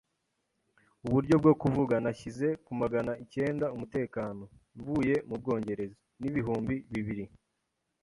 uburyo bwo kuvuga. Nashyize ku magana icyenda umutekano, mvuye mu Bwongereza, n'ibihumbi bibiri